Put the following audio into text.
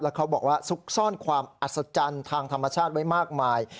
เขาบอกว่าซุกซ่อนความอัศจรรย์ทางธรรมชาติไว้มากมาย